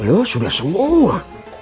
loh sudah semua